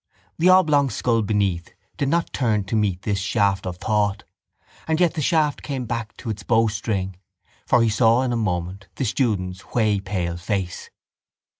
The oblong skull beneath did not turn to meet this shaft of thought and yet the shaft came back to its bowstring; for he saw in a moment the student's whey pale face.